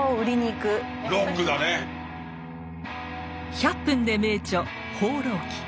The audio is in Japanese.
「１００分ｄｅ名著」「放浪記」。